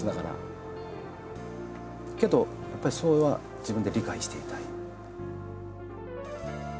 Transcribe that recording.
けどやっぱりそれは自分で理解していたい。